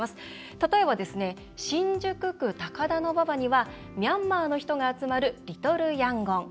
例えば、新宿区高田馬場にはミャンマーの人が集まるリトル・ヤンゴン。